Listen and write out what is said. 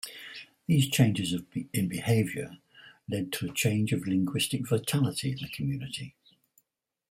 These changes in behavior lead to a change of linguistic vitality in the community.